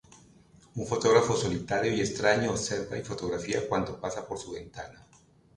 Un fotógrafo solitario y extraño observa y fotografía cuanto pasa por su ventana.